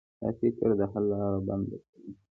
دا فکر د حل لاره بنده کوي.